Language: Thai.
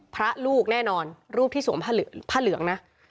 พระลูกแน่นอนรูปที่สวมผ้าเหลืองนะ